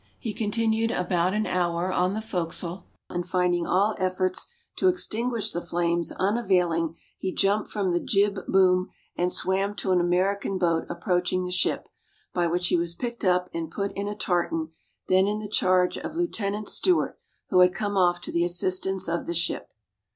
"He continued about an hour on the fore castle; and finding all efforts to extinguish the flames unavailing, he jumped from the jib boom, and swam to an American boat approaching the ship, by which he was picked up and put into a Tartan then in the charge of Lieut. Stewart, who had come off to the assistance of the ship.